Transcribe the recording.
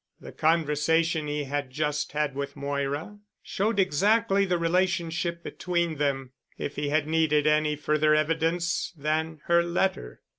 The conversation he had just had with Moira showed exactly the relationship between them, if he had needed any further evidence than her letter.